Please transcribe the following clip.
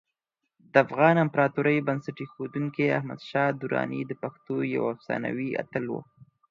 د افغان امپراتورۍ بنسټ ایښودونکی احمدشاه درانی د پښتنو یو افسانوي اتل و.